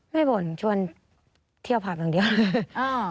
ไม่บ่นชวนเที่ยวผักอย่างเดียวเลย